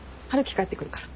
帰ってくるから。